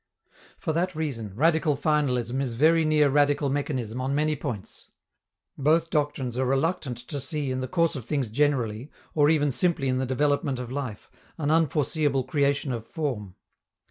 For that reason, radical finalism is very near radical mechanism on many points. Both doctrines are reluctant to see in the course of things generally, or even simply in the development of life, an unforeseeable creation of form.